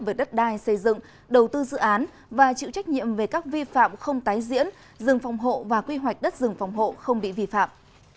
về đất đai xây dựng đầu tư dự án và chịu trách nhiệm về các vi phạm không tái diễn rừng phòng hộ và quy hoạch đất rừng phòng hộ không bị vi phạm